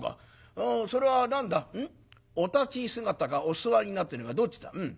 それは何だお立ち姿かお座りになってるのかどっちだ？